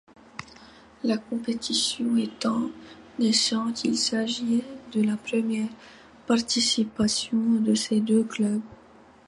La compétition étant naissante, il s'agit de la première participation de ces deux clubs.